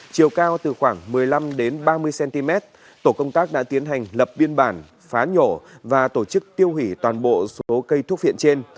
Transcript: chiều cao từ khoảng một mươi năm ba mươi cm tổ công tác đã tiến hành lập biên bản phá nhổ và tổ chức tiêu hủy toàn bộ số cây thuốc phiện trên